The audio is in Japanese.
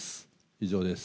以上です。